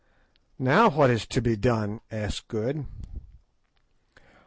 _ "Now what is to be done?" asked Good.